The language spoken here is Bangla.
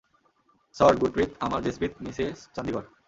সর গুরপ্রিট আমার জেসপিট মিসেস চান্দিগড়।